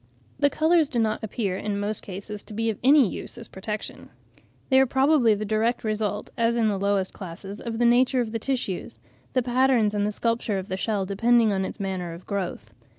The colours do not appear in most cases to be of any use as a protection; they are probably the direct result, as in the lowest classes, of the nature of the tissues; the patterns and the sculpture of the shell depending on its manner of growth.